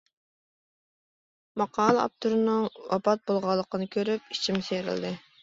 ماقالە ئاپتورىنىڭ ۋاپات بولغانلىقىنى كۆرۈپ ئىچىم سىيرىلدى.